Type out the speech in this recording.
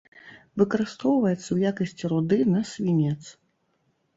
Выкарыстоўваецца ў якасці руды на свінец.